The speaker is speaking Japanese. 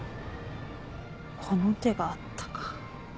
この手があったか。